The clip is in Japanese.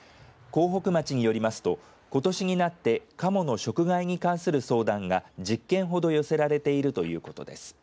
江北町によりますとことしになってかもの食害に関する相談が１０件ほど寄せられているということです。